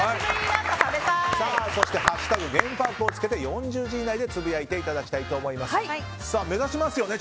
そして「＃ゲームパーク」をつけて４０字以内でつぶやいていただきたいと目指しますよね